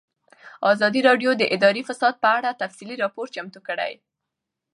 ازادي راډیو د اداري فساد په اړه تفصیلي راپور چمتو کړی.